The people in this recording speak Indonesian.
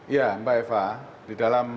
ya mbak eva di dalam